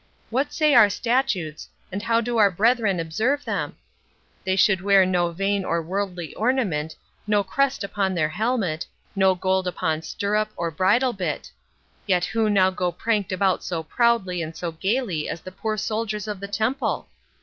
What say our statutes, and how do our brethren observe them? They should wear no vain or worldly ornament, no crest upon their helmet, no gold upon stirrup or bridle bit; yet who now go pranked out so proudly and so gaily as the poor soldiers of the Temple?